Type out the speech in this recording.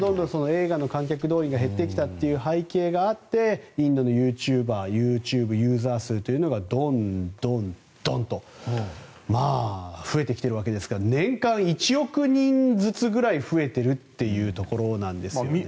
映画の観客動員が減ってきたという背景があってインドのユーチューバーＹｏｕＴｕｂｅユーザー数というのがどんどんと増えてきているわけですから年間１億人ずつくらい増えているというところなんですね。